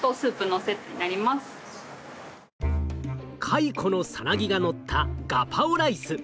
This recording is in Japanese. カイコのサナギがのったガパオライス。